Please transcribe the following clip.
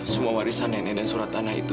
semua warisan nenek dan surat tanah itu